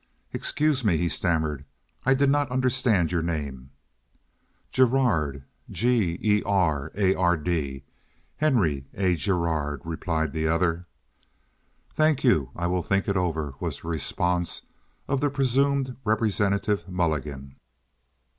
"Excuse me," he stammered, "I did not understand your name?" "Gerard. G er ard. Henry A. Gerard," replied this other. "Thank you. I will think it over," was the response of the presumed Representative Mulligan.